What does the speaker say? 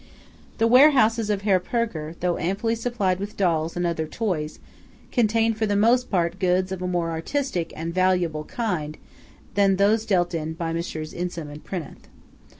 The warehouses of Herr Purger, though amply supplied with dolls and other toys, contain for the most part goods of a more artistic and valuable kind than those dealt in by Messrs. Insam and Prinoth.